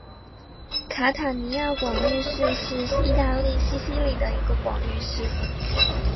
卡塔尼亚广域市是意大利西西里的一个广域市。